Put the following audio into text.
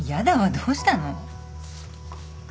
どうしたの？